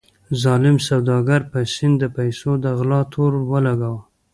ظالم سوداګر په سید د پیسو د غلا تور ولګاوه.